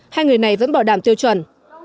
hai người này vẫn bỏ đàm tiêu chuẩn